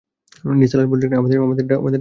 নিসার আলি বললেন, আমার ঢাকা যাওয়া দরকার।